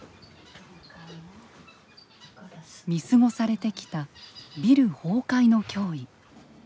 見過ごされてきたビル崩壊の脅威。